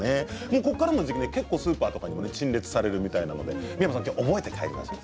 ここからの時期スーパーで陳列されるみたいなので三山さん覚えて帰ってください。